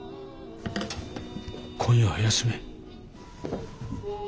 今夜は休め。